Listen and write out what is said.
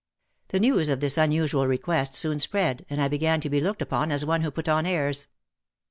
The news of this unusual request soon spread and I began to be looked upon as one who put on airs.